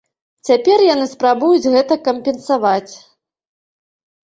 Цяпер яны спрабуюць гэта кампенсаваць.